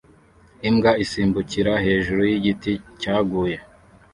imbwa isimbukira hejuru yigiti cyaguye